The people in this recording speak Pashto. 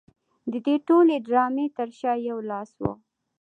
د دې ټولې ډرامې تر شا یو لاس و